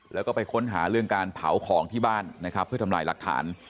แล้วก็ไปค้นหาเรื่องการเผาของที่บ้านนะครับเพื่อทำลายหลักฐาน